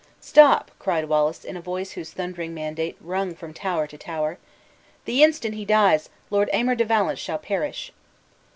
"Stop!" cried Wallace, in a voice whose thundering mandate rung from tower to tower. "The instant he dies, Lord Aymer de Valence shall perish!"